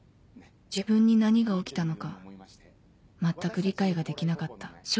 自分に何が起きたのか全く理解ができなかった